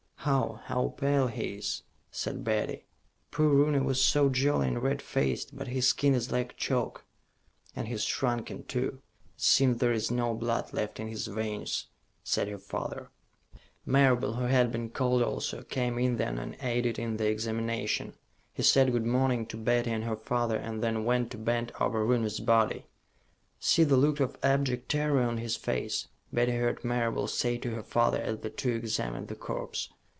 "How how pale he is," said Betty. "Poor Rooney was so jolly and red faced, but his skin is like chalk." "And he's shrunken, too. It seems there's no blood left in his veins," said her father. Marable, who had been called also, came in then and aided in the examination. He said good morning to Betty and her father, and then went to bend over Rooney's body. "See the look of abject terror on his face," Betty heard Marable say to her father as the two examined the corpse.